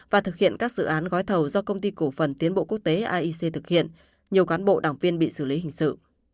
và thực hiện các dự án gói thầu do công ty cổ phần tiến bộ quốc tế aic thực hiện nhiều cán bộ đảng viên bị xử lý hình sự